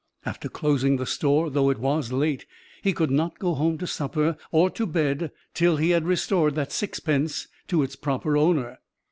After closing the store, though it was late, he could not go home to supper or to bed till he had restored that sixpence to its proper owner.